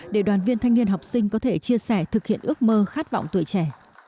để đoàn viên thanh niên học sinh có thể chia sẻ thực hiện ước mơ khát vọng tuổi trẻ